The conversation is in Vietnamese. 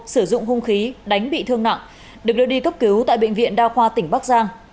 sử dụng hung khí đánh bị thương nặng được đưa đi cấp cứu tại bệnh viện đa khoa tỉnh bắc giang